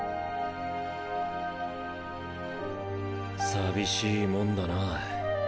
寂しいもんだな。